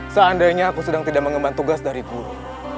seandainya aku sedang tidak mengembang tugas dari guru